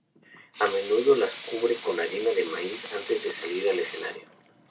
A menudo las cubre con harina de maíz antes de salir al escenario.